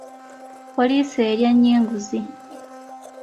Poliisi erya nnyo enguzi.